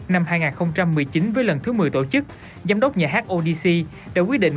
năm hai nghìn một mươi chín với lần thứ một mươi tổ chức giám đốc nhà hát odc đã quyết định